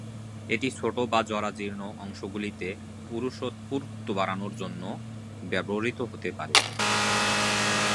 এটি ছোট বা জরাজীর্ণ অংশগুলিতে পুরুত্ব বাড়ানোর জন্যও ব্যবহৃত হতে পারে।